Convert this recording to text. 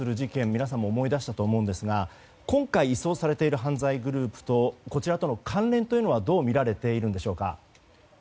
皆さんも思い出したと思いますが今回、移送されている犯罪グループとこちらとの関連というのはどうみられているんでしょうか。